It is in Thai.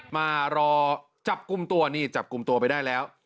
มารอจับกลุ่มตัวนี่จับกลุ่มตัวไปได้แล้ว